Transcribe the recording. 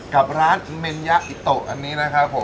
กับร้านเมนยะอิโตอันนี้นะครับผม